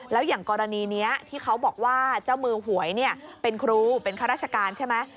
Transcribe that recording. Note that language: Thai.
แล้วอย่างกรณีนี้ที่เขาบอกว่าเจ้ามือหวยเป็นครูเป็นข้าราชการใช่ไหม